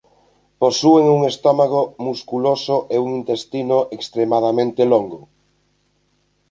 Posúen un estómago musculoso e un intestino extremadamente longo.